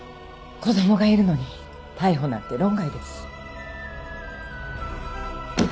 子供がいるのに逮捕なんて論外です。